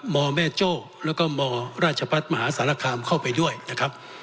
มมโจและก็มรมาหาสารคามเข้าไปด้วยนะครับ